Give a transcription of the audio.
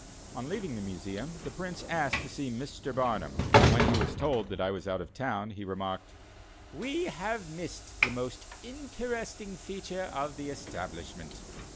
On leaving the Museum, the Prince asked to see Mr. Barnum, and when he was told that I was out of town, he remarked: "We have missed the most interesting feature of the establishment."